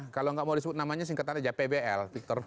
kalau tidak mau disebut namanya singkatan saja pbl